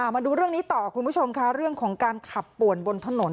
มาดูเรื่องนี้ต่อคุณผู้ชมค่ะเรื่องของการขับป่วนบนถนน